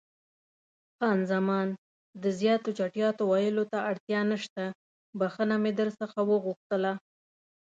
خان زمان: د زیاتو چټیاتو ویلو ته اړتیا نشته، بښنه مې در څخه وغوښتله.